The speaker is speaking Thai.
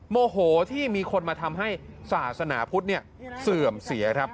โมโหที่มีคนมาทำให้ศาสนาพุทธเสื่อมเสียครับ